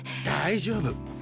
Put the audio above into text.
大丈夫。